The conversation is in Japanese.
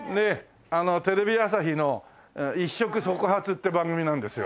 あのテレビ朝日の「一触即発」って番組なんですよ。